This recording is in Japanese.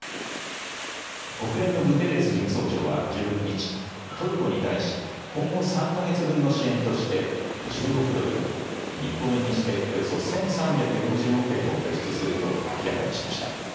国連のグテーレス事務総長は１６日、トルコに対し、今後３か月分の支援として、１０億ドル、日本円にしておよそ１３４０億円を拠出すると明らかにしました。